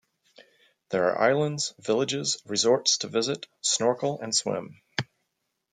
There are islands, villages, resorts to visit, snorkel and swim.